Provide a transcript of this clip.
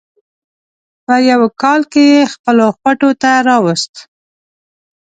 په یوه کال کې یې خپلو خوټو ته راوست.